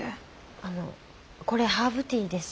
あのこれハーブティーです。